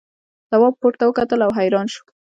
تواب پورته وکتل او حیران شو.